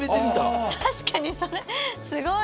確かにそれすごい。